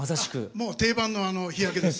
もう定番の日焼けです。